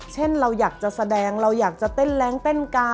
เช่นเราอยากจะแสดงเราอยากจะเต้นแรงเต้นกา